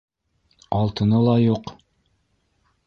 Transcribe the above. Алтыны ла юҡ.